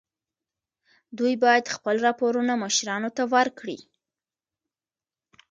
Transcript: دوی باید خپل راپورونه مشرانو ته ورکړي.